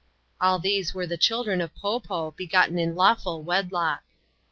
All these were the children of Po Po, begotten in lawful wedlock.